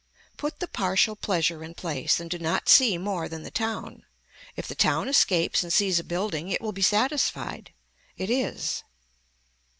Put the partial pleasure in place and do not see more than the town. If the town escapes and sees a building it will be satisfied. It is.